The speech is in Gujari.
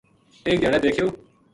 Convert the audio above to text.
ایک دھیاڑے دیکھیو